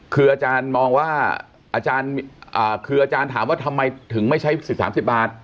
คืออาจารย์มองว่าอาจารย์คืออาจารย์ถามว่าทำไมถึงไม่ใช้สิทธิ์๓๐บาท